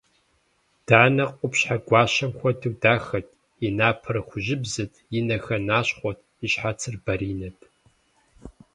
Данэ къупщхьэ гуащэм хуэдэу дахэт: и напэр хужьыбзэт, и нэхэр нащхъуэт, и щхьэцыр баринэт.